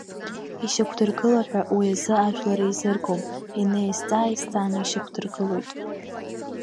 Ишьақәдыргыла ҳәа, уи азы ажәлар еизыргом, инеизҵаа-ааизҵааны ишьақәдыргылоит…